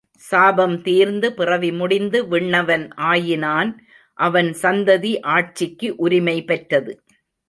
சாபம் தீர்ந்து பிறவி முடிந்து விண்ணவன் ஆயினான் அவன் சந்ததி ஆட்சிக்கு உரிமை பெற்றது.